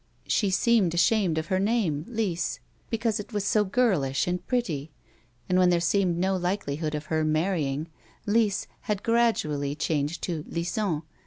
She seemed ashamed of her name, Lise, because it was so girlish and pretty, and when there seemed no likelihood of her marrying, " Lise " had gradually changed to " Lison."